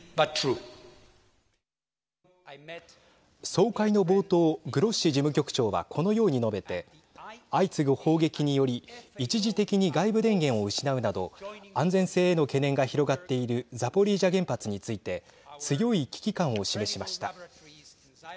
総会の冒頭グロッシ事務局長はこのように述べて相次ぐ砲撃により一時的に外部電源を失うなど安全性への懸念が広がっているザポリージャ原発について強い危機感を示しました。